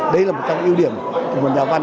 đây là một trong những ưu điểm của một nhà văn